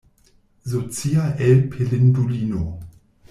Socia elpelindulino!